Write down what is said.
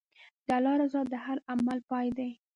د الله رضا د هر عمل پای دی.